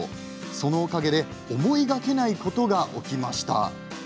そのおかげで思いがけないことが起きました。